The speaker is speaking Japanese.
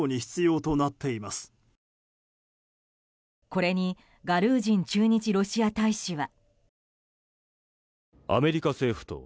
これにガルージン駐日ロシア大使は。